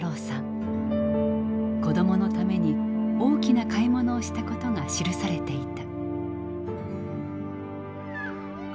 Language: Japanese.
子供のために大きな買い物をしたことが記されていた。